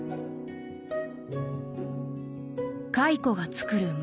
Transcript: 蚕が作る繭。